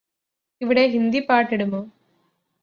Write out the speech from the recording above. ഇവിടെ ഹിന്ദി പാട്ടിടുമോ